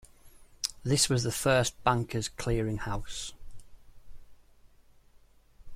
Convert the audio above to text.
This was the first bankers' clearing house.